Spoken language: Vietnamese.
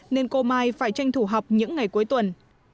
nên cô mai phải tranh thủ học những ngày cuối tuần